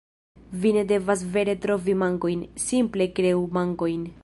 Vi ne devas vere trovi mankojn, simple kreu mankojn.